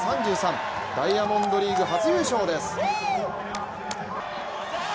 ダイヤモンドリーグ初優勝です。